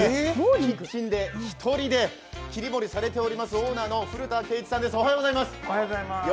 キッチンで１人で切り盛りされているオーナーの古田恵一さんです。